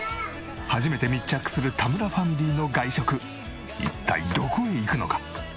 初めて密着する田村ファミリーの外食一体どこへ行くのか？